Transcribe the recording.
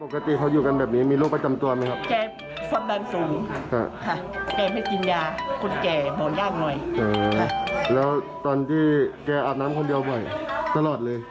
๒คนเขาผู้สาวก็ป่วยเกินเลย